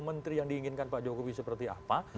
menteri yang diinginkan pak jokowi seperti apa